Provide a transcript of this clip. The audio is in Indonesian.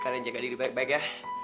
kalian jaga diri baik baik ya